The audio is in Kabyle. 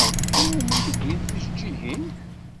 Anwa umi d-wwint tijeǧǧigin?